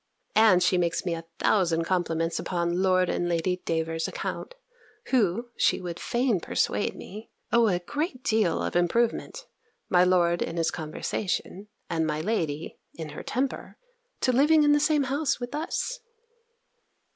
And she makes me a thousand compliments upon Lord and Lady Davers's account, who, she would fain persuade me, owe a great deal of improvement (my lord in his conversation, and my lady in her temper) to living in the same house with us.